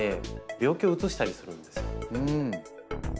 病気をうつしたりするんですよ。